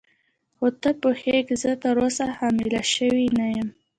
خو ته پوهېږې زه تراوسه حامله شوې نه یم.